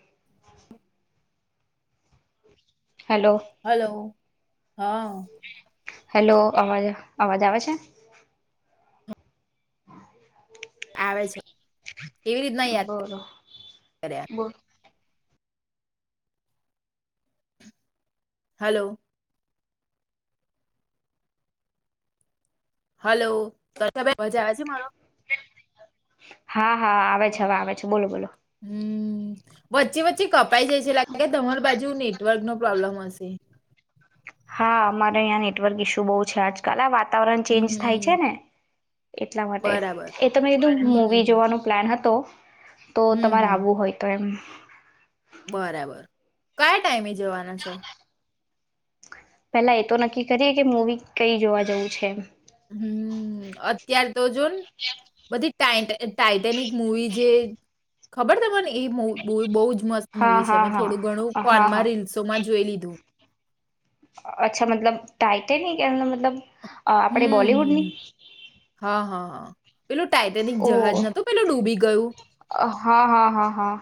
[unintelligible] Hello hello હા.. hello... અવાજ.. અવાજ આવે છે? આવે છે. એવી રીતના યાદ બોલો.. કર્યા બ... હલો.. હલો.. [unintelligible] અવાજ આવે છે મારો? હા હા આવે છે. હવે આવે છે. બોલો.. બોલો.. હમ.. વચ્ચે.. વચ્ચે... પછી કપાઈ જાય છે. લાગે કે તમારા બાજુ નેટવર્ક નો પ્રોબ્લેમ હશે? હા.. અમારે અહીં નેટવર્ક ઇશ્યુ બહુ છે આજકાલ. આ વાત.. વાતાવરણ ચેન્જ થાય છે હમ ને! એટલા માટે. બરાબર એ તો મેં કીધું હમ મુવી હમ જોવાનો પ્લાન હતો. તો હમ તમારે આવવું હોય તો એમ. બરા.. બર કયા ટાઈમે? જવાના છો? પહેલા એ.. તો નક્કી કરીએ કે, મૂવી કઈ જોવા જવું છે? હમ.. અત્યાર્.. તો જો બધી.. ટા.. ટાઈટેનિક મુવી જે.. ખબર તમને એ બહુ જ.. મસ્ત હા મુવી છે. હા મેં હા થોડું ઘણું હા ફોનમાં હા રીલ્સોમાં જોઈ લીધું. અચ્છા મતલબ ટાઈટેનિક એનો મતલબ અ હમ આપણે હમ હમ. બોલિવુડની.. [inaudible] પેલું ટાઈટેનિક જહાજ નહોતુ પેલું ડૂબી ગયું હા હા હા હા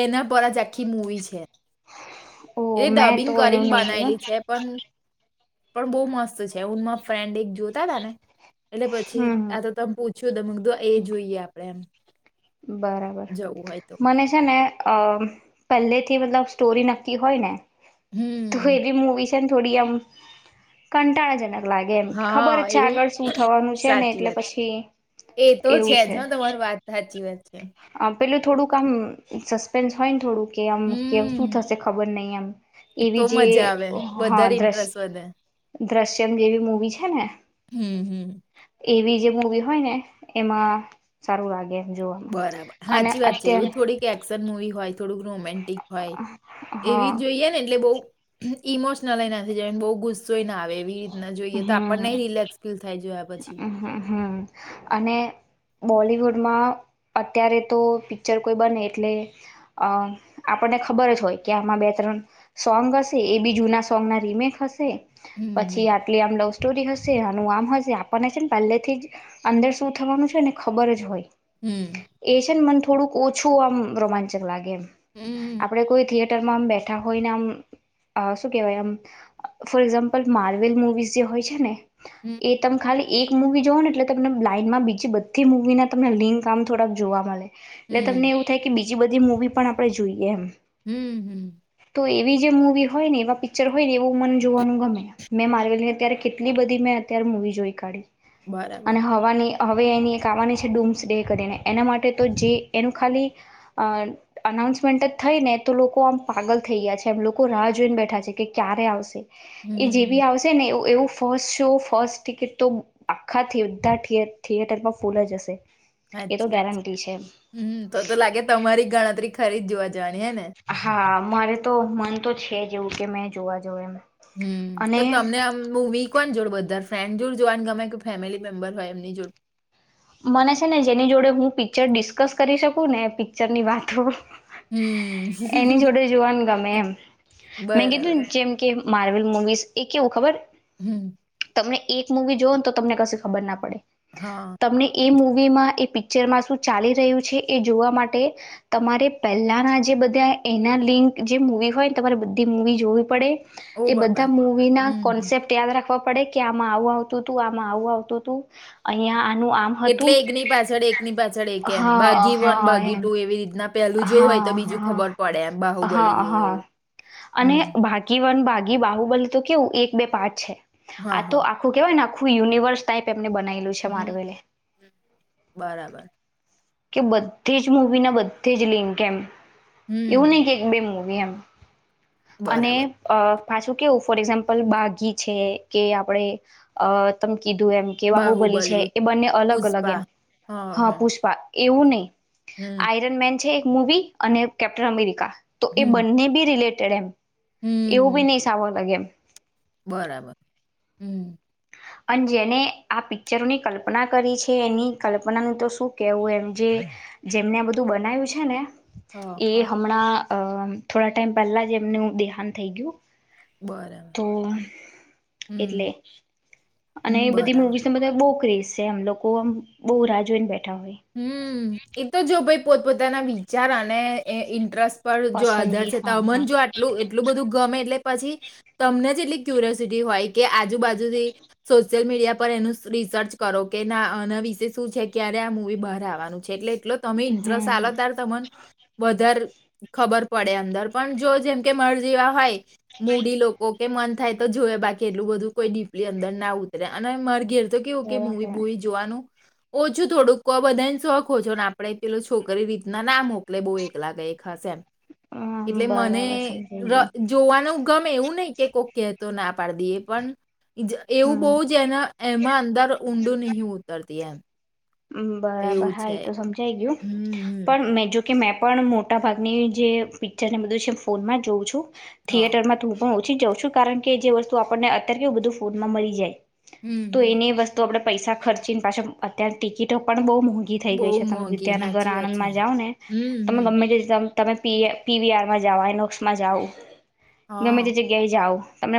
એના પર જ આખી મૂવી છે. એ ઓ મેં તો ડબિંગ એનું કરીને નહીં જોયું બનાવેલી છે પન પણ બહુ મસ્ત છે [unintelligible] ફ્રેન્ડ એક જોતા હતા ને એટલે હમ પછી આ તો હમ તમે પૂછ્યું મેં કીધું એ જોઈએ આપણે એ બરાબર મને છે ને અ પહેલેથી મતલબ સ્ટોરી નક્કી હોય ને તો હમ એવી મુુવી થોડી આમ્ કંટાળજનક લાગે એમ ખબર હા છે‌ એવું આગળ શું થવાનું છે ને સાચી એટલે વાત છે. પછી એ તો એવું જ છે હા તમારી વાત સાચી વાત છે પેલું થોડુંક આમ સસ્પેન્સ હોય ને થોડુંક કે આમ કે શું હમ થશે ખબર નહી એમ એ તો એવી જે મજા આવે હા વધારે દ્રશ ઇન્ટરેસ્ટ વધે દ્રશ્યમ જેવી મૂવી છે ને હમ હમ એવી જે મૂવી હોય ને એમાં સારું લાગે જવામા બરાબર હાચી વાત છે એવું થોડી કે એક્શન મુવી હોય થોડું રોમેન્ટિક હોય એવી હા જ જોઈએ ને એટલે બોવ ઇમોશનલય ય ના થઈ જવાય ને બોવ ગુસ્સોય ના આવે એવી ના જોઈએ તો આપડને નહી રિલેક્સ ફીલ થાય જાય હમ્મ હમ્મ અને બોલિવુડમાં અત્યારે તો પિક્ચર કોઈ બને એટલે અઅ આપણને ખબર જ હોય કે આમાં બે ત્રણ સોંગ હશે એ બી જૂના સોંગના રીમેક હશે હમ પછી આટલી આમ લવ સ્ટોરી હશ છે હાનું આમ હશે આ આપણને છે ને પહેલેથી જ અંદર શું થવાનું છે ને ખબર જ હોય હમ એ છે ને મન થો થોડુંક ઓછું આમ રોમાંચક લા ગે હમ આપડે કોઈ થીએ માં આમ બેઠા હોયન આમ અ શું કેવાય આમ ફોર એક્ઝામ્પલ માર્વેલ મુવી જે હોય છે ને હમ એ તમ ખાલી એક મૂવી જોવો ને એટલે તમને લાાઈનમાં બીજી બધી મૂવીના તમને લિંક આમ થોડાક જોવા મલે એટલે હમ તમને એવું થાય કે બી બીજી બધી મૂવી પણ આપણે જોઈએ એમ હમ્મ. હમ્મ. તો એવી જે મૂવી હોય ને એવા પિક્ચરો હોય ને એવું મન જોવાનું ગમે. મેં માર્વેલની અત્યારે કેટલી બધી મેં અત્યારે મૂવી જોઈ કાઢી. બરાબર અને હવાની હવે એની એક આવવાની છે ડૂમ્સ ડે કરીને એના માટે તો જે એનું ખાલી અઅ અનાઉન્સમેન્ટ જ થઈ ને તો લોકો આમ પાગલ થઈ ગયા છે એમ લોકો રાહ જોઈને બેઠા છે કે ક્યારે આવશે. એ જે હમ બી આવશે ને એવ-એવું ફસ્ટ શો ફસ્ટ ટિકિટ તો આખા થીયેટ બધા થિયે-થિયેટરમાં ફૂલ જ હશે. એ તો હાચી વાત છે. ગેરંટી હમ્મ. તો તો લાગે તમારી ગણતરી ખરી જ જોવા જવાની હે ને હા, મારે તો મન તો છે જ એવું કે મેં જોવા જવ એમ. હમ્મ. તો અને તમને આમ મૂવી કોન જોડ વધાર ફ્રેન્ડ જોડ જોવાન ગમે કે ફેમિલી મેમ્બર હોય એમની જોડ મને છે ને જેની જોડે હું પિક્ચર ડિસ્કસ કરી શકું ને પિક્ચર ની વાતો એની હમ જોડે જોવાનું ગમે એમ મેં કીધું બરાબર ને જેમ કે માર્વેલ મુવીઝ એ કેવું ખબર હમ તમને એક મુૂવી જોવ ને તો તમને ક ખબર ના પડે હા તમને એ મુ મવીમાં એ પિક્ચરમાં શું ચાલી રહ્યું છે એ જોવા માટે તમારે પહેલાના જે બધા એના લિંક જે મૂવી હોય ને તમારે બધી મૂવી જોવી પડે ઓ એ બાબા બધા મુવી ના હમ. કોન્સેપ્ટ યાદ રાખ ર પડે કે આમાં આવું આવતું હતું આમાં આવું આવતું હતું અહિયાં આનું આમ એટલે હતું એકની પાછળ એકની પાછળ એક એમ હા બાગી વન હા બાગી એમ ટુ એવી રીતના પેલું જોવું હા હોય તો હા બીજું ખબર પડે એમ બાહુ હા બોલી દવું હા એવું અને હમ ભાગી વન ભાગી બાહુ બલે તો કેવું એક બે પાઠ છે હા આ તો હા આખું કેવાય ને આખું યનિવર્સ ટાઈપ બ છે મા હમ બરાબર કે બધી જ મૂવીના બધે જ લિંક એમ એવું નહિ હમ કે એક બેમ વમ અને બરાબર અ પાછું કેવું ફોર એક્ઝામ્પલ બાગી છે કે આપડણે અ તમ કીધું એમ કે વાહુબલી છે બાહુબલી એ બંને અલગ અલગ એમ હા પુષ્પા એવું નહીં હમ આયરન મેન છે એક મવી અને કેપ્ટન અમેરિકા તો એ હમ બંને બી રિલેટ [unintelligible] એવું બી હમ નહી સાવાર લાગે એમ બરાબર હમ અને જેને આ પિક્ચરોની કલ્પના કરી છે એની કલ્પનાનું તો શું કેવું એમ જે જેમને બધું બનાય્યું છે ને હા એ હા હમણાં અ થોડા ટાઈમ પહેલાં જ એમનું દેહંત થઈ ગયું બરાબર તો એટલે હમ અને હમ, એ બધી બરાબર મુવી બધા બોકરીઝ છે અમ લોકોમ બહુ રાહ જોઈને બેઠા હોય હમ એ તો જો ભાઈ પોતપોતાના વિચાર અને ઇન્ટરેસ્ટ પણ જો આધાર પસંદગી છે હા હા તોમન જો આટલું એટલું બધું ગમે એટલે પછી તમને જ એટલી ક્યુરિયોસિટી હોય કે આજુબાજુથી સોશિયલ મીડિયા પર એનું રિસર્ચ કરો કે એના વિશે શું છે ક્યારે આ બહવાનું છે એટલે એટલો તમે ઇન્ટરેસ્ટ હમ આાલ ત્યારે તને વધારે ખબર પડે અંદર પણ જો જેમ કે મર જેવા હોય મૂડી લોકો કે મન થાય તો જોવે બાકી એટલું બધું કોઈ ડીપલી અંદર ના ઉતરે અને મર ઘે તો કેવું કે મૂવી બરાબર બૂવી જોવાનું ઓછું થોડુંક તો આ બધાને શોખો છો ને આપડણે પેલો છોકરી રીતના ના મોકલે બહુ એકલાાગ ખાસશે એમ હ એટલે મને બરાબર સમજાઈ ગયું જોવાનું ગમે એવું નહિ કે કોઈક કહેતો ના પાડી દઈએ પણ એવું બહુ જ હમ એના એમાં અંદર ઊંડું નહં ઉતરતી એમ બરાબર એવું હા એ છે તો સમજાઈ ગયું હમ હમ પણ મેં જો કે મે પણ મોટાભાગની જે પિક્ચરને બધું છે એ ફોનમાં જ જોઉં છું હા થિયેટર માં તું હ ઓછી જાઉં છું કારણ કે જે વસ્તુ આપણને અત્યારે બધું ફોડમાં મળી જાય હમ તો હમ એની વસ્તુ આપણેે પૈસા ખર્ચીને પાછા અત્યંત ટિકિટ આપ પણણ ગહ ંઘી થઈ બહુ ગઈ છે તમે મોંઘી વિદ્યાનગર સાચી વાત આણંદ છે. માં જાઓ ને હમ તમે હમ ગમે તે તમે પીવીઆરમાં જઓઇનોક્સમાં જઓ હા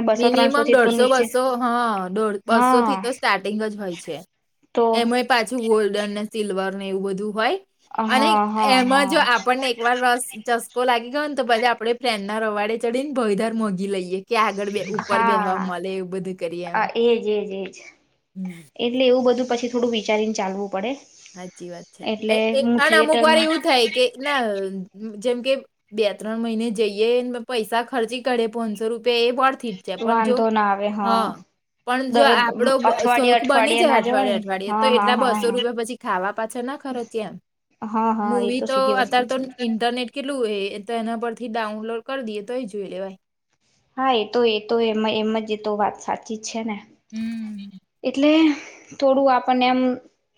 બસો ત્રણસો મિનિમમ થી તો દોઢસો નીચે બસો હા બસો થી હા તો સ્ટાર્ટિંગ જ હોય છે તો એમ પાછ ગોલ્ડન ને સિલ્ લવાર ને એવું બધું હોય અને હા હા એમાં જો હા આપણને એક વાર રસ ચસકો લાગી તો પછી આપડે ફ્રેન્ડ ના રોવાડે ભયદાર મોગી લઈએ ક્યાં આગળ બે ઉપર બે હવા હા મળે એવું બધું કરી એમ એજ [unintelligible] હમ. એટલે એવું બધું પછી થોડું વિચારીને ચાલવું પડે સાચી વાત એટલે છે હું આ અમુક વાર થિયેટરમાં એવું થાય કે ના જેમ કે બે ત્રણ મહિને જઈએ પૈસા ખર્ચી કરે પોનસો રૂપિયા એ થી છે પણ જો વાંધો ના આવે હા પણ જો દરરોજ આપડો અઠવાડિયે શોખ બની અઠવાડિયે જાય ના અઠવાડિય જવાય ને અઠવાડિયે હા તો હા એટલા હા બસો રૂપિયા હા પછી ખાવા પાછો ના ખરો એમ હા હા એ મૂવી તો સીધી વસ્તુ અત્યારે તો છે ઇન્ટરનેટ કેટલુંય એ તો એના પરથી ડાઉનલોડ કરી દઈએ તોય જોઈ લેવાય. હા એ તો એ તો એમાં એમ જ તો વાત સાચી જ છે ને. હમ્મ. એટલે થોડું આપણને એમ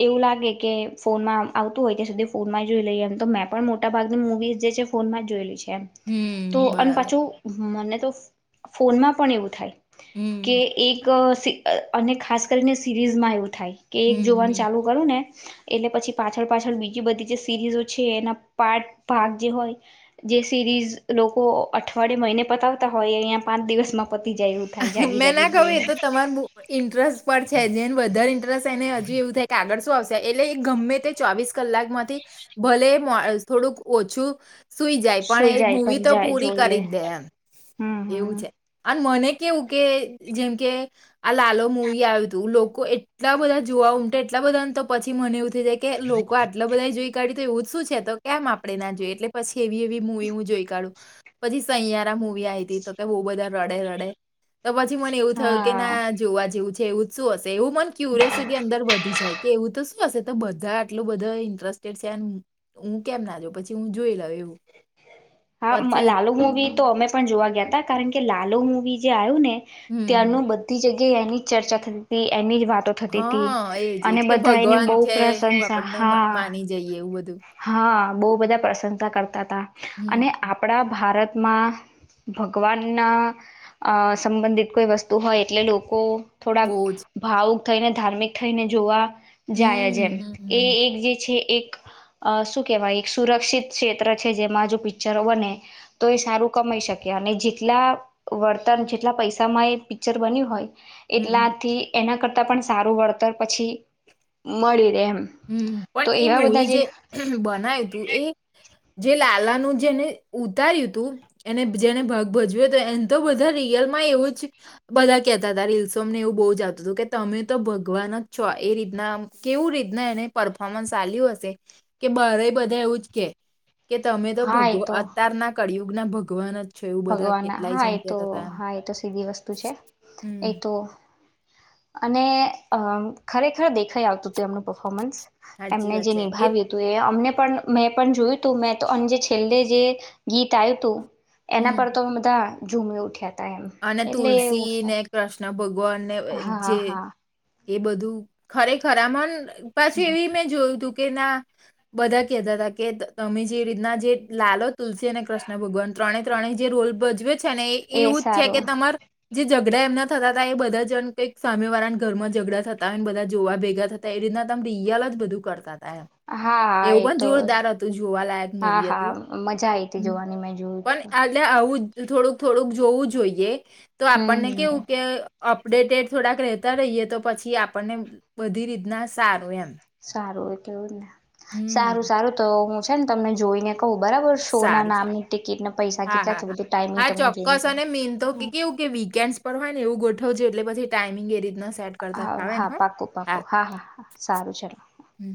એવું લાગે કે ફોનમાં આવતું હોય ત્યાં સુધી ફોન માં જોઈ લઈએ એમ તો મેં પણ મોટા ભાગની મુવીઝ જે છે ફોન માં જોયેલી છે. તો હમ અને બરાબર પાછું મને. તો ફોનમાં પણ એવું થાય. કે હમ એક સી. અને ખાસ કરીને સિરીઝમાં એવું થાય. કે હમ એક હમ જોવાન ચાલુ કરું ને એટલે પછી પાછળ પાછળ બીજી બધી જે સિરીઝો છે એના પાઠ ભાગ જે હોય જે સિરીઝ લોકો અઠવાડિયે મહિને પતાવતા હોય અંયા પાંચ દિવસમાં પતી જાય એવું થાય જાગી મેં ના જાગી કહું એ જોઈને તો તમાર ઇન્ટરેસ્ટ પર છે જેને વધારે ઇન્ટરેસ્ટ એને હજુ એવું થાય કે આગળ શું આવશે. એટલે એ ગમે તે ચોવીસ કલાક માંથી ભલે થોડુંક ઓછું સુઈ જાય પણ સુઈ એ જાય મૂવી પણ તો જાય પૂરી જોઈ લે કરી જ દે એમ હમ એવું હમ છે અને મને કેવું કે જેમ કે આ લાલ મવી આવ્યું તું લોકો એટલા બધા જોવા ઉમટ એટલા બધાને તો પછી મને એું કે લોકો આટલા બધા જોઈ કાઢી તો એવું જ શું છે તો કેમ આપડણે ના જોએ એટલે પછી. કેવી એવી હું એ હું જોઈ કાઢું. પછી સહિયારા મુવી આ તી તો કે બહુ બધા રડે રડે.. તો પછી મને એવું થયું કે હા ના જોવા જેવું છે. છે ઉચું અશે. એવું મન ક્યુરિસિટી અંદર વધી જાય કે એવું તો શુંશે તો બધા આટલું બધા ઇન્ટરેસ્ટેડ છે હું કેમ ના જો પછી હું જોઈ લઉ એવું. હા પછી લાલુ મવી તો અમે પણ જોવા ગયા ત કારણ કે લાલુ મુવી બીજે આવ્યું ને હમ, હમ. ત્યાંનું બધી જગ્યા જે એની ચર્ચા થતી હતી એની. જ વાતો થતી હતી હા એજ એજ અને કે બધા એની ભગવાન બહુ છે એ પ્રશંસા આપડને હા માની જઈએ એવું બધું. હા બહુ બધા પ્રશંસા કરતા હતા હમ, અને હમ. આપણા ભારતમાં ભગવાનના સંબંધિત કોઈ વસ્તુ હોય એટલે લોકો થોડાક બહુ જ. ભાવ થઈને ધાર્મિક થઈને જોવા જાયજ જેમ હમ, હમ, એ હમ. એક જે છે. એક શું કહેવાય એક સુરક્ષિત ક્ષેત્ર છે, જેમાં જો પિક્ચરો બને તો એ સારું કમાઈ શકે અને જેટલા વર્તર જેટલા પૈસામાં એ પિક્ચર બન્યું હોય. હમ, હમ. એટલાથી એના કરતા તા પણ સારું વળતર પછી મળી રહે એમ હમ તો પણ એ એવા બધા મુવી જે બનાવ્યું હતું. એ જે લાલાનું જેને ઉતાર્યું હતું એને જેને ભાગ ભજવ્યો હતોું એને તો બધા રિયલ માં એવું જ બધા કેહેતા હતા રીલ્સોને એવું બહુ જ આવતું હતું કે તમે તો ભગવાન જ છો એ રીતના કેવું રીત એને પરફોર્મન્સ ચાલ્યું હશે કે બરે બધા એવું જ કે કે તમે તો હા એ ભગવા તો અતાર ના કર્યું. ના ભગવાન જ છો એવું બધા ભગવાન કેટલાય હા એ જણ તો કહેતા હતા એમ હા એ તો સીધી વસ્તુ છે એ હમ તો અને અ ખરેખર દેખાઈ આવતું હતું એમનું પર્ફોર્મન્સ સાચી એમને વાત જે છે નિભાવ્યું હતું એ અમને પણ મેં પણ જોયું તું મેં તો અ જે છેલ્લે જે ગીત આવ્યું હતું. એના હમ પર તો હ બધા ઝુમે ઉઠ્યા હતા. એમ અને એટલે એવું તુલસી છે ને શ્ ભગ વાન ને હા જે હા એ બધું ખરેખર આ મન પછી એવી મેં જોયું તું કે ના બધા કતા હતા કે તમે જે રીતના જે લાલો તુલસી અને કૃષ્ણ ભગવાન ત્રણે ત્રણે જે રોલ ભજવે. છે ને એ એવું જ છે કે સારું તમાર ઝઘડા એમના થતા હતા એ બધા જણ કંક સામે વાળાના ઘરમાં ઝઘડા થતા હોયને બધા જોવા ભેગા થતા એ રીતના તમે રિયાલ જ બધું કરતા હતા. હા હા એવું એ પણ તો જોરદાર હતું જોવાલાયક હા મુવી હા હતું મજા આઈ હતી હ જોવાની મેં જોયું પણ હતું એટલે આવું તો થોડુંક-થોડુંક જોવું જ જોઈએ. તો હમ આપણને કેવું હમ કે અપડેટેડ થોડાક રહેતા રહીએ તો પછી આપણને બધી રીતના સારું એમ તારું એટલેુંને હમ્મ, સારું-સારું તો હું છે ન તમને જોઈને કહું બરાબર શો ના સારું-સાર. નામની ટિકિટને પૈસા કેટલા છે હા-હા-હા. બધું ટાઈમિંગ હા તમને જોઈને ચોક્કસ કહું અને મેન તો કે-કેવું કે વીકેન્ડસ પર હોય ને એવું ગોઠવ જો એટલે પછી ટાઈમિંગ એ રીત હા-હા. પાક્કું-પાક્કું. હા-હા-હા. સારું ચલો. હમ